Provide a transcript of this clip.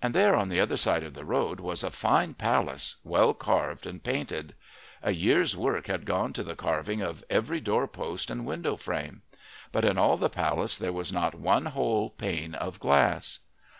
And there on the other side of the road was a fine palace, well carved and painted. A year's work had gone to the carving of every doorpost and window frame. But in all the palace there was not one whole pane of glass.